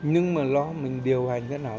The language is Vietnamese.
nhưng mà lo mình điều hành thế nào